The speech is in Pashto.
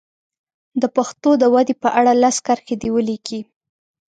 د پښتو د ودې په اړه لس کرښې دې ولیکي.